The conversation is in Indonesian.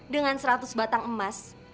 dengan seratus batang emas